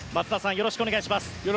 よろしくお願いします。